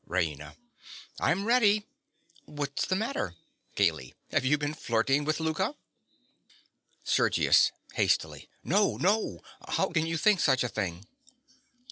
_) RAINA. I'm ready! What's the matter? (Gaily.) Have you been flirting with Louka? SERGIUS. (hastily). No, no. How can you think such a thing?